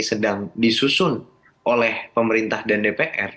sedang disusun oleh pemerintah dan dpr